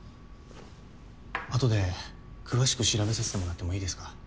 後で詳しく調べさせてもらってもいいですか？